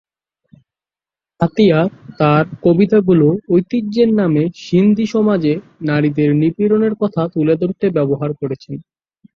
আতিয়া তার কবিতাগুলো ঐতিহ্যের নামে সিন্ধি সমাজে নারীদের নিপীড়নের কথা তুলে ধরতে ব্যবহার করেছেন।